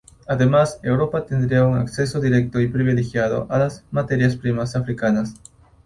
Además, Europa tendría un acceso directo y privilegiado a las materias primas africanas.